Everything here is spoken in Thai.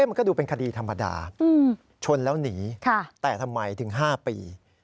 มันก็ดูเป็นคดีธรรมดาชนแล้วหนีแต่ทำไมถึง๕ปี